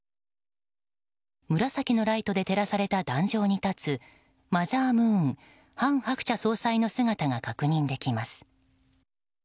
紫のライトで照らされた壇上に立つマザームーン、韓鶴子総裁の姿が確認できます。